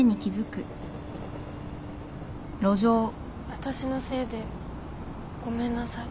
私のせいでごめんなさい。